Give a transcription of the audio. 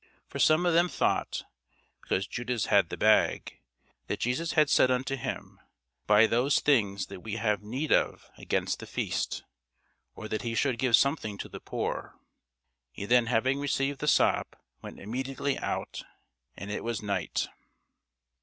For some of them thought, because Judas had the bag, that Jesus had said unto him, Buy those things that we have need of against the feast; or, that he should give something to the poor. He then having received the sop went immediately out: and it was night.